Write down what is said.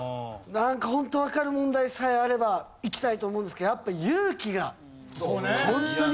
なんかホントわかる問題さえあればいきたいと思うんですけどやっぱ勇気がホントに。